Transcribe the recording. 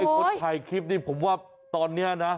คนถ่ายคลิปนี่ผมว่าตอนนี้นะ